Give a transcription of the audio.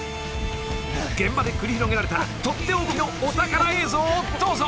［現場で繰り広げられた取って置きのお宝映像をどうぞ］